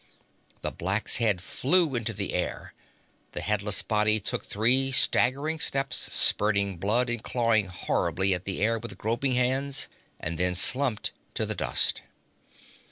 The black's head flew into the air; the headless body took three staggering steps, spurting blood and clawing horribly at the air with groping hands, and then slumped to the dust.